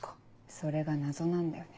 それが謎なんだよね。